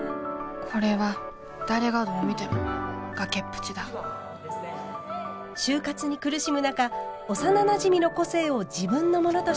これは誰がどう見ても崖っぷちだ就活に苦しむ中幼なじみの個性を自分のものとして偽った主人公。